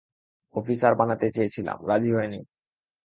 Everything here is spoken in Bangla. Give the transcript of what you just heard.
অফিসার বানাতে চেয়েছিলাম, রাজি হয়নি।